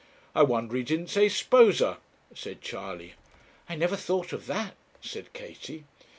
'I wonder he didn't say sposa,' said Charley. 'I never thought of that,' said Katie.